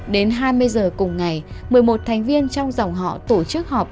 đến hai mươi giờ cùng ngày một mươi một thành viên trong dòng họ tổ chức họp